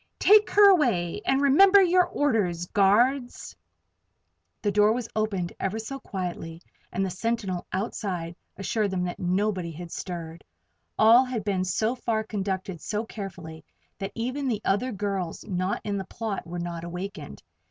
Take her away and remember your orders, guards." The door was opened ever so quietly and the sentinel outside assured them that nobody had stirred. All had been so far conducted so carefully that even the other girls not in the plot were not awakened.